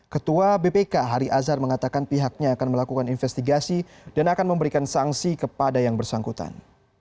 ketua bpk hari azhar mengatakan pihaknya akan melakukan investigasi dan akan memberikan sanksi kepada yang bersangkutan